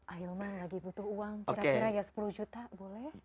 ahilman lagi butuh uang kira kira ya sepuluh juta boleh